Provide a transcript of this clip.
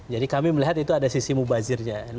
jadi kami melihat itu ada sisi mubazirnya